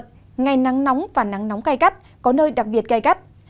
khu vực từ bình thuận ngày nắng nóng và nắng nóng cay cắt có nơi đặc biệt cay cắt